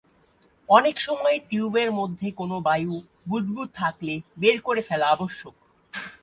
অনেকসময় টিউবের মধ্যে কোন বায়ু বুদবুদ থাকলে বের করে ফেলা আবশ্যক।